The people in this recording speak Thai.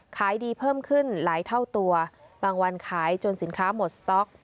ขายดีเพิ่มขึ้นหลายเท่าตัวบางวันขายจนสินค้าหมดสต๊อก